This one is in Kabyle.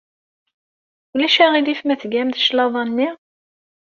Ulac aɣilif ma tgam-d cclaḍa-nni?